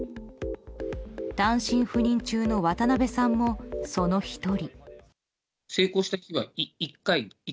単身赴任中の渡邉さんもその１人。